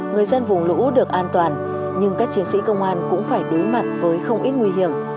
người dân vùng lũ được an toàn nhưng các chiến sĩ công an cũng phải đối mặt với không ít nguy hiểm